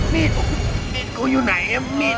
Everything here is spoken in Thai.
มีดมีดก็อยู่ไหนอ่ะมีด